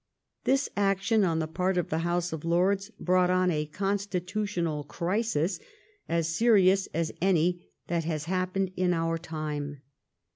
This action on the part of the House of Lords brought on a constitutional crisis as serious as any that has happened in our time.